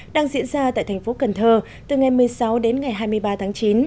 đang diễn ra tại thành phố cần thơ từ ngày một mươi sáu đến ngày hai mươi ba tháng chín